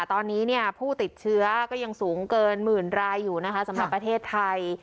ตอนนี้ผู้ติดเชื้อก็ยังสูงเกินหมื่นรายอยู่นะคะสำหรับประเทศไทย